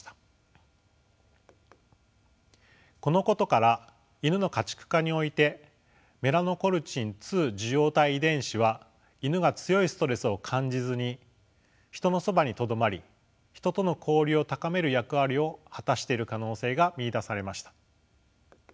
このことからイヌの家畜化においてメラノコルチン２受容体遺伝子はイヌが強いストレスを感じずにヒトのそばにとどまりヒトとの交流を高める役割を果たしている可能性が見いだされました。